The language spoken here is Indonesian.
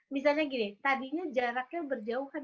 misalnya gini tadinya jaraknya berjauhan